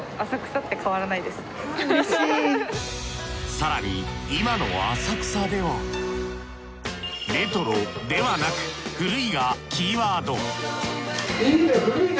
さらに今の浅草ではレトロではなく古いがキーワード